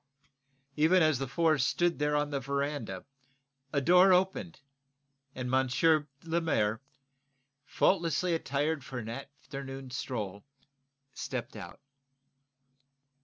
Even as the four stood there on the veranda a door opened, and M. Lemaire, faultlessly attired for an afternoon stroll, stepped out.